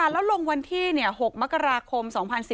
แล้วลงวันที่๖มกราคม๒๔๙